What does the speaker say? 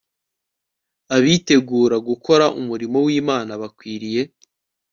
Abitegura gukora umurimo wImana bakwiriye